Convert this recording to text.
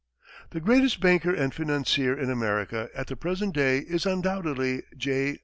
The greatest banker and financier in America at the present day is undoubtedly J.